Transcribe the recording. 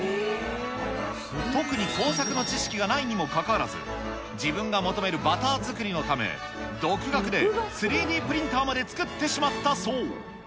特に工作の知識がないにもかかわらず、自分が求めるバター作りのため、独学で３Ｄプリンターまで作ってしまったそう。